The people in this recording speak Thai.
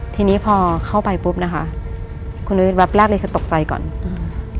ทีนี้พอเข้าไปปุ๊บนะคะคุณนุ้ยแป๊บแรกเลยคือตกใจก่อนอืม